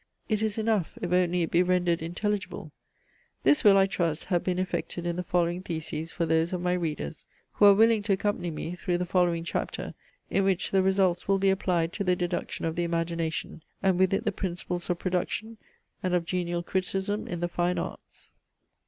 It is enough, if only it be rendered intelligible. This will, I trust, have been effected in the following Theses for those of my readers, who are willing to accompany me through the following chapter, in which the results will be applied to the deduction of the Imagination, and with it the principles of production and of genial criticism in the fine arts.